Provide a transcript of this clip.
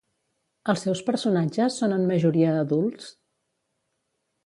Els seus personatges són en majoria adults?